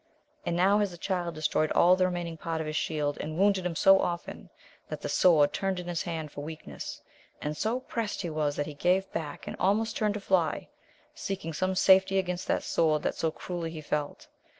And now has the Child destroyed all the remaining part of his shield, and wounded him so often that the sword turned in his hand for weakness, and so prest he was that he gave back, and almost turned to fly, seeking some safety against that sword that so cruelly he felt.